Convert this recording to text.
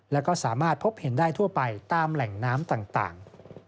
แล้วก็สามารถพบเห็นได้ทั่วไปตามแหล่งน้ำต่าง